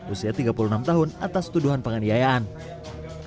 beliau itu orang tua yang